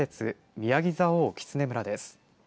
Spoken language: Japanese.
宮城蔵王キツネ村です。